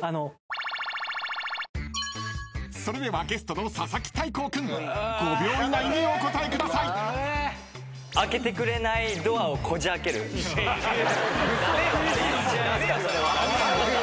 ［それではゲストの佐々木大光君］［５秒以内にお答えください］違いますか。